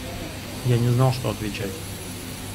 Я не знал, что отвечать.